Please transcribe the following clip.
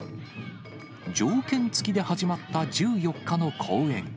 条件付きで始まった１４日の公演。